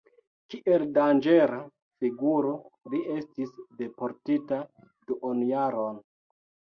Kiel danĝera figuro li estis deportita duonjaron.